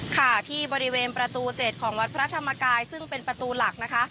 ค่ะที่บริเวณประตู๗ของวัดพระธรรมกายซึ่งเป็นประตูหลักนะคะ